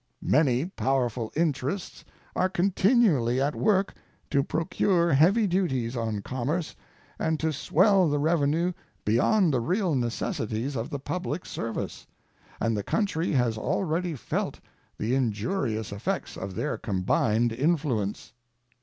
Many powerful interests are continually at work to procure heavy duties on commerce and to swell the revenue beyond the real necessities of the public service, and the country has already felt the injurious effects of their combined influence.